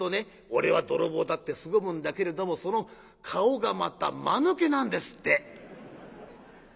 『俺は泥棒だ』ってすごむんだけれどもその顔がまたマヌケなんですって」。